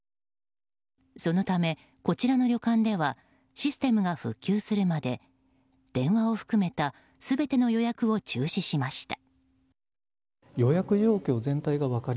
そのため、こちらの旅館ではシステムが復旧するまで電話を含めた全ての予約を中止しました。